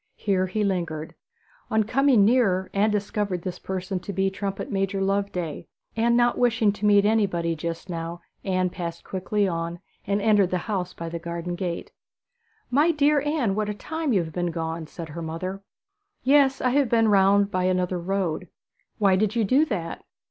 Here he lingered. On coming nearer Anne discovered this person to be Trumpet major Loveday; and not wishing to meet anybody just now Anne passed quickly on, and entered the house by the garden door. 'My dear Anne, what a time you have been gone!' said her mother. 'Yes, I have been round by another road.' 'Why did you do that?'